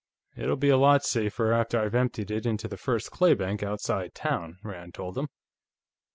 "It'll be a lot safer after I've emptied it into the first claybank, outside town," Rand told him.